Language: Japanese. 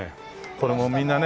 これもみんなね